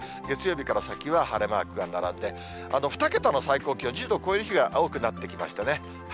月曜日から先は晴れマークが並んで、２桁の最高気温、１０度超える日が多くなってきましたね。